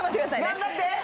頑張って！